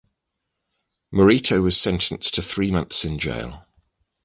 Morito was sentenced to three months in jail.